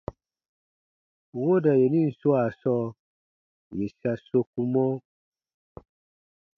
Wooda yenin swaa sɔɔ, yè sa sokumɔ: